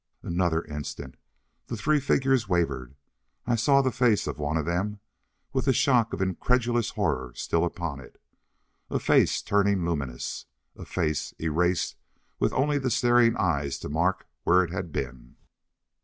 Another instant The three figures wavered. I saw the face of one of them, with the shock of incredulous horror still upon it. A face turning luminous! A face, erased, with only the staring eyes to mark where it had been!